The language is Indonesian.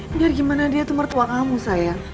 biar gimana dia tuh mertua kamu sayang